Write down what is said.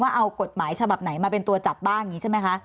เอากฎหมายฉบับไหนมาเป็นตัวจับบ้างอย่างนี้ใช่ไหมคะ